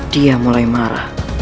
dia mulai marah